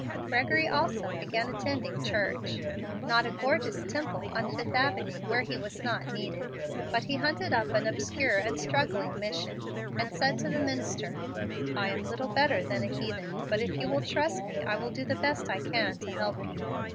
Gregory also began attending church not a gorgeous temple on Fifth Avenue, where he was not needed; but he hunted up an obscure and struggling mission, and said to the minister, "I am little better than a heathen, but if you will trust me I will do the best I can to help you."